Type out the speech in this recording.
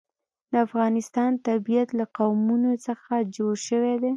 د افغانستان طبیعت له قومونه څخه جوړ شوی دی.